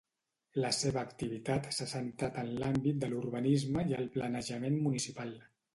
La seva activitat s’ha centrat en l’àmbit de l’urbanisme i el planejament municipal.